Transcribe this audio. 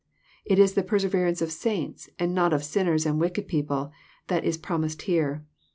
It is the perseverance of saints, and not of sinners and wicked people, that is promised here.